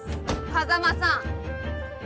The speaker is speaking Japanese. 風真さん。